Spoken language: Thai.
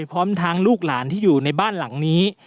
พร้อมทางลูกหลานที่อยู่ในบ้านหลังนี้